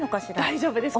大丈夫です。